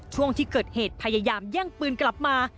ช่วงที่เกิดเหตุพยายามแย่งปืนกลับมา